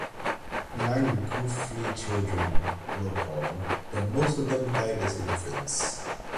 Nine Guthrie children were born, but most of them died as infants.